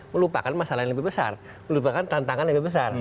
melupakan masalah yang lebih besar melupakan tantangan yang lebih besar